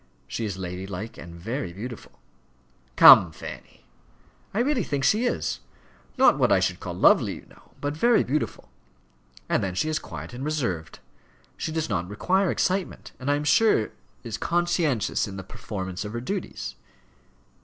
She is ladylike and very beautiful " "Come, Fanny!" "I really think she is; not what I should call lovely, you know, but very beautiful. And then she is quiet and reserved; she does not require excitement, and I am sure is conscientious in the performance of her duties."